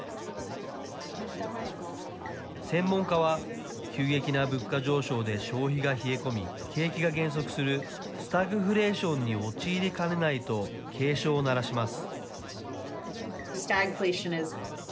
専門家は、急激な物価上昇で消費が冷え込み、景気が減速するスタグフレーションに陥りかねないと、警鐘を鳴らします。